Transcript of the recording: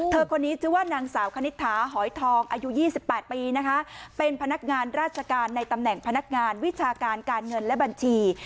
คนนี้ชื่อว่านางสาวคณิตถาหอยทองอายุ๒๘ปีนะคะเป็นพนักงานราชการในตำแหน่งพนักงานวิชาการการเงินและบัญชี